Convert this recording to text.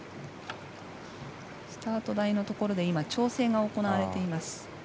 スタート台のところで調整が行われています。